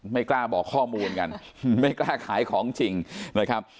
ไม่กล้าบอกข้อมูลกันไม่กล้าขายของจริงนะครับ